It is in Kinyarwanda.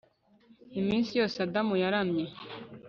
Iminsi yose Adamu yaramye